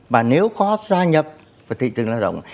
và nếu khó gia nhập vào thị trường lao động